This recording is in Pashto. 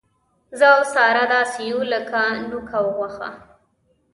زه او ساره داسې یو لک نوک او غوښه.